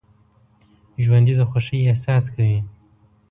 ژوندي د خوښۍ احساس کوي